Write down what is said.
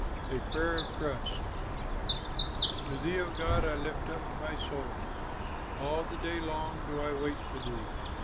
A PRAYER OF TRUST To thee, O God, I lift up my soul, All the day long do I wait for thee.